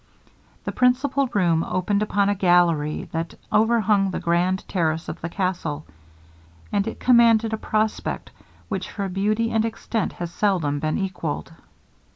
The principal room opened upon a gallery that overhung the grand terrace of the castle, and it commanded a prospect which for beauty and extent has seldom been equalled.